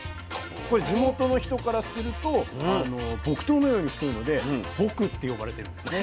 これ地元の人からすると木刀のように太いので「ボク」って呼ばれてるんですね。